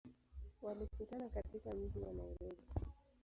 Walikutana katika mji wa Nairobi.